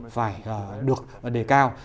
phải được đề cao